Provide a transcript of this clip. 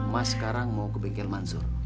mas sekarang mau ke bengkel mansur